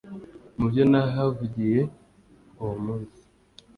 mu byo nahavugiye uwo munsi,